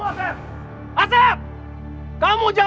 asef keluar kamu asef